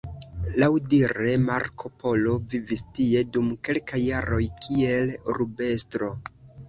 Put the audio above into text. Laŭdire Marko Polo vivis tie dum kelkaj jaroj kiel urbestro.